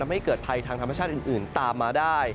ไม่เกิดภัยทางธรรมชาติอื่นตามมาได้